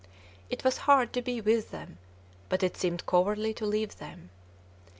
It was hard to be with them; but it seemed cowardly to leave them.